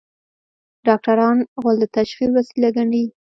ډاکټران غول د تشخیص وسیله ګڼي.